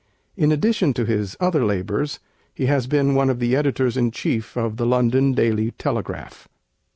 In addition to his other labors he has been one of the editors in chief of the London Daily Telegraph.